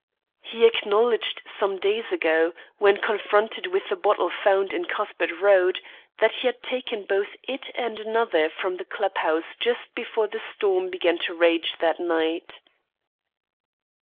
He acknowledged some days ago, when confronted with the bottle found in Cuthbert Road, that he had taken both it and another from the club house just before the storm began to rage that night."